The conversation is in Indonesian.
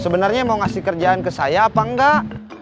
sebenarnya mau ngasih kerjaan ke saya apa enggak